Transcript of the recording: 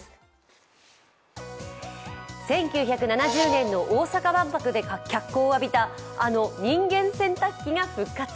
１９７０年の大阪万博で脚光を浴びたあの人間洗濯機が復活。